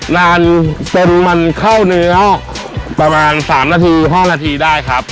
งานเต็มมันข้าวเนื้อประมาณ๓๕นาทีได้ครับ